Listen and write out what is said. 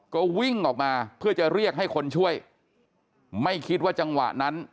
ก็วิ่งออกมาเพื่อจะเรียกให้คนช่วยไม่คิดว่าจังหวะนั้น